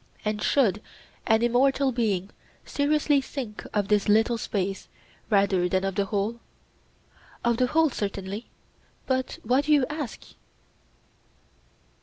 And should an immortal being seriously think of this little space rather than of the whole? Of the whole, certainly. But why do you ask?